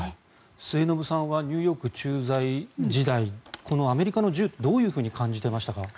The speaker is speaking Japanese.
末延さんはニューヨーク駐在時代このアメリカの銃ってどう感じていましたか？